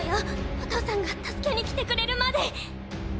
お父さんが助けに来てくれるまで！